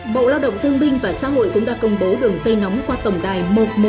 bộ lao động thương binh và xã hội cũng đã công bố đường dây nóng qua tổng đài một trăm một mươi một